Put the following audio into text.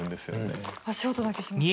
足音だけしますね。